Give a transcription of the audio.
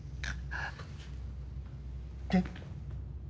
えっ？